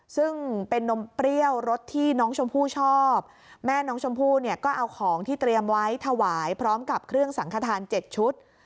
ซึ่งเป็นนมเปรี้ยวรสที่น้องชมพู่ชอบแม่น้องชมพู่เนี่ยก็เอาของที่เตรียมไว้ถวายพร้อมกับเครื่องสังขทาน๗ชุด